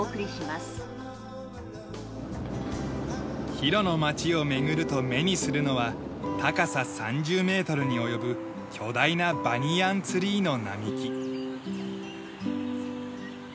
ヒロの町を巡ると目にするのは高さ３０メートルに及ぶ巨大なバニヤン・ツリーの並木。